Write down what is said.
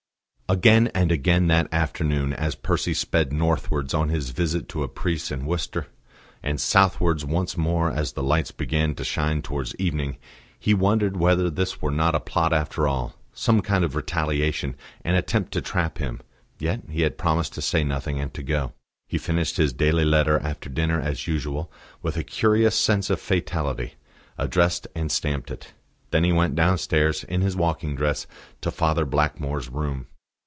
Again and again that afternoon, as Percy sped northwards on his visit to a priest in Worcester, and southwards once more as the lights began to shine towards evening, he wondered whether this were not a plot after all some kind of retaliation, an attempt to trap him. Yet he had promised to say nothing, and to go. He finished his daily letter after dinner as usual, with a curious sense of fatality; addressed and stamped it. Then he went downstairs, in his walking dress, to Father Blackmore's room.